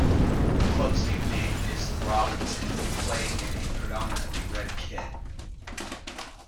The club's nickname is the Robins and they play in a predominantly red kit.